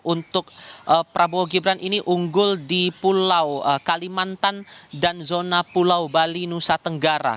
untuk prabowo gibran ini unggul di pulau kalimantan dan zona pulau bali nusa tenggara